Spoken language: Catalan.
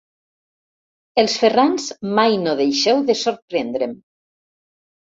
Els Ferrans mai no deixeu de sorprendre'm.